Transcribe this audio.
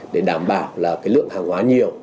để đảm bảo là cái lượng hàng hóa nhiều